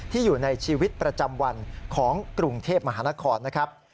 อยู่ในชีวิตประจำวันของกรุงเทพมหานครนะครับ